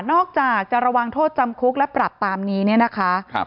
อกจากจะระวังโทษจำคุกและปรับตามนี้เนี่ยนะคะ